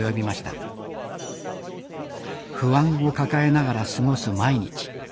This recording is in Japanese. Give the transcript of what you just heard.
不安を抱えながら過ごす毎日。